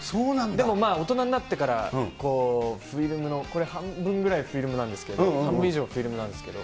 でもまあ、大人になってから、フィルムの、半分ぐらいフィルムなんですけど、半分以上フィルムなんですけど。